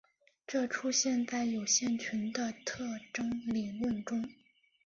这出现在有限群的特征理论中。